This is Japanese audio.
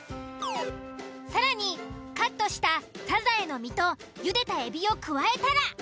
更にカットしたサザエの身とゆでたエビを加えたら。